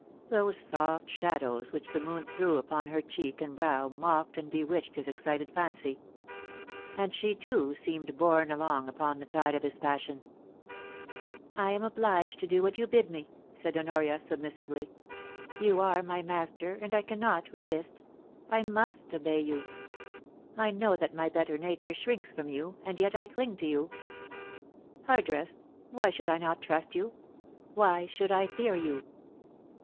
Those soft shadows which the moon threw upon her cheek and brow mocked and bewitched his excited fancy. ,.. And she, too, seemed borne along upon the tide of his passion. ' I am obliged to do what you bid me,* said Honoria, sub missively. 'You are my master, and I cannot resist — I must obey you. I know that my better nature shrinks from you, and yet I cling to you. Hardress, why should I not trust you — why should I fear you